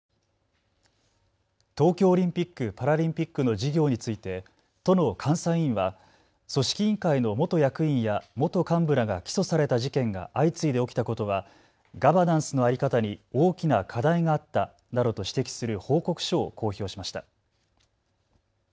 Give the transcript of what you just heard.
東京オリンピック・パラリンピックの事業について都の監査委員は組織委員会の元役員や元幹部らが起訴された事件が相次いで起きたことはガバナンスの在り方に大きな課題があったなどと指摘する報告書を公表しました。